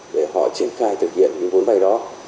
để họ triển khai thực hiện những vốn vay đó